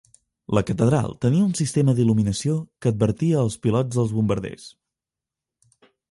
La catedral tenia un sistema d'il·luminació que advertia els pilots dels bombarders.